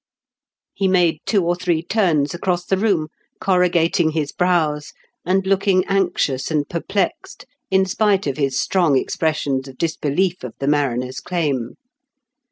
He made two or three turns across the room, corrugating his brows, and looking anxious and perplexed, in spite of his strong expressions of disbelief of the mariner's claim.